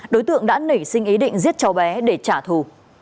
đối tượng đã nảy sinh ý định giết cháu bé để trả thù